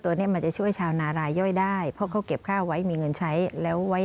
ตัวนี้มันจะช่วยชาวนารายย่อยได้เพราะเขาเก็บข้าวไว้มีเงินใช้แล้วไว้